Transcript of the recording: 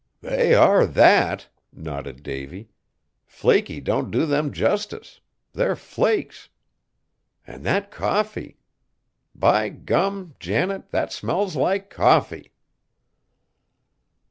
"They are that!" nodded Davy; "flaky don't do them justice; they're flakes. An' that coffee! By gum! Janet, that smells like coffee!"